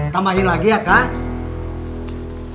tambahin lagi ya kang